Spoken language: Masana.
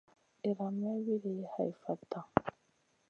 Iran may wuidi hai fatta.